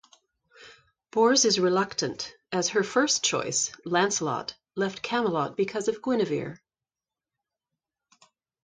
Bors is reluctant, as her first choice, Lancelot, left Camelot because of Guinevere.